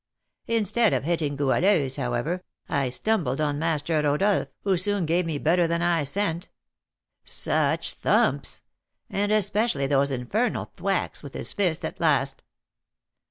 Instead of hitting Goualeuse, however, I stumbled on Master Rodolph, who soon gave me better than I sent. Such thumps! and especially those infernal thwacks with his fist at last.